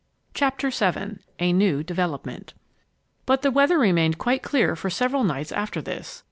CHAPTER VII A NEW DEVELOPMENT But the weather remained quite clear for several nights after this.